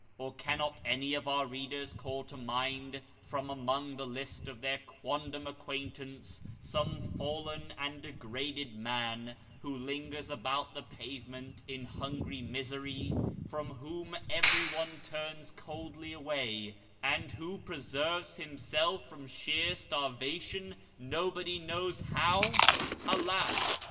or cannot any of our readers call to mind from among the list of their quondam acquaintance, some fallen and degraded man, who lingers about the pavement in hungry misery from whom every one turns coldly away, and who preserves himself from sheer starvation, nobody knows how ? Alas